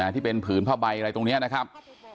ที่เป็นผืนผ้าใบอะไรตรงนี้นะครับ